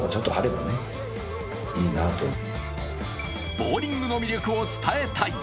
ボウリングの魅力を伝えたい